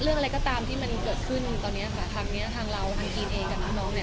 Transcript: เรื่องอะไรก็ตามที่มันเกิดขึ้นตอนเนี้ยค่ะทางเนี้ยทางเราทางจีนเองกับน้องน้องเนี่ย